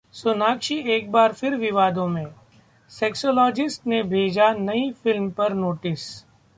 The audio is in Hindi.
सोनाक्षी एक बार फिर विवादों में, सेक्सोलॉजिस्ट ने भेजा नई फिल्म पर नोटिस